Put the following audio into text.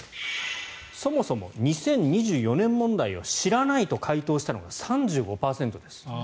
そもそも２０２４年問題を知らないと回答したのが３５％です。